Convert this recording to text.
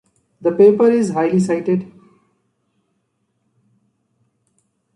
The paper is highly cited.